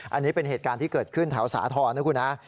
อันนี้เป็นเหตุการณ์ที่เกิดขึ้นแถวสาธรณ์นะคุณฮะ